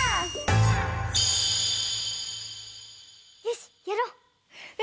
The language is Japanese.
よしやろう。